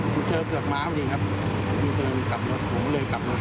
เธอเงียบมาไว้นี้ครับ